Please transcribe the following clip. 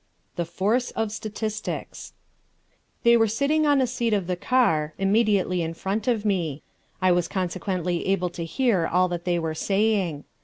The Force of Statistics They were sitting on a seat of the car, immediately in front of me. I was consequently able to hear all that they were saying.